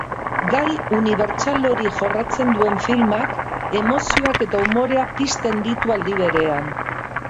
Gai unibertsal hori jorratzen duen filmak emozioak eta umorea pizten ditu aldi berean.